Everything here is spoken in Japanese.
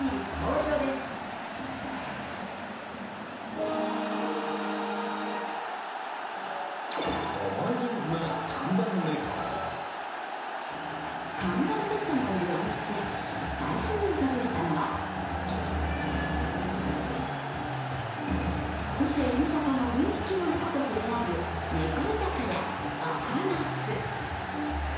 ピンポーン看板ペットのいるお店、最初に訪れたのは個性豊かな４匹の猫と触れ合える猫居酒屋赤茄子。